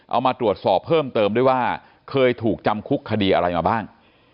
เอามาตรวจสอบเพิ่มเติมด้วยว่าเคยถูกจำคุกคดีอะไรมาบ้าง